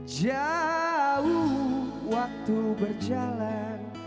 jauh waktu berjalan